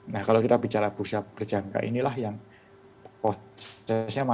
nah kalau kita bicara bursa berjangka inilah yang prosesnya masih masih mudah